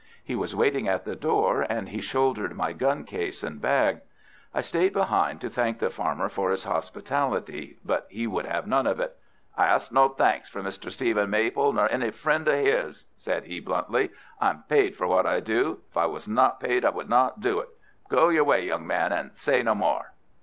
He was waiting at the door, and he shouldered my gun case and bag. I stayed behind to thank the farmer for his hospitality, but he would have none of it. "I ask no thanks from Mr. Stephen Maple nor any friend of his," said he, bluntly. "I am paid for what I do. If I was not paid I would not do it. Go your way, young man, and say no more."